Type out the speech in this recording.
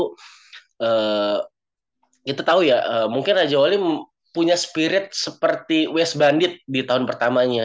kita tahu ya mungkin raja wali punya spirit seperti west bandit di tahun pertamanya